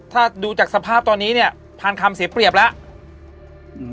ถ้าดูจากสภาพตอนนี้เนี่ยพันคำเสียเปรียบแล้ว